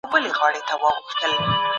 په مینه کي دروغ خوندور ښکاري.